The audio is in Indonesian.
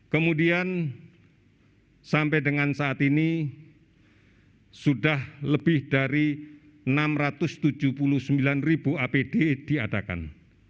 kemudian sampai dengan saat ini sudah lebih dari enam ratus tujuh puluh sembilan ribu apd diadakan